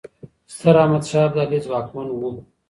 ستراحمدشاه ابدالي ځواکمن و.